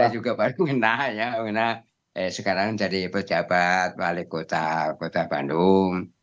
saya juga baru menanya sekarang jadi pejabat wali kota bandung